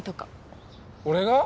俺が？